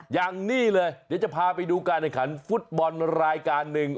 อย่างนี้เลยเดี๋ยวจะพาไปดูการแข่งขันฟุตบอลรายการหนึ่ง